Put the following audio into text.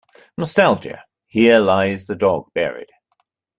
Nostalgia Here lies the dog buried.